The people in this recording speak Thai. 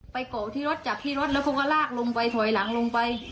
เกาะที่รถจับที่รถแล้วเขาก็ลากลงไปถอยหลังลงไป